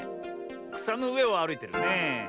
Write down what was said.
くさのうえをあるいてるねえ。